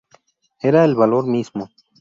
Era el valor mismo.